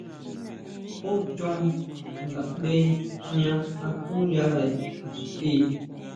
¿Júchon ngaʼnde jña akuyare ixti?